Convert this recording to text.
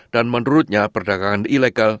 dan menurutnya perdagangan ilegal